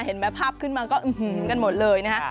เห็นไหมภาพขึ้นมาก็อื้อหือกันหมดเลยนะฮะ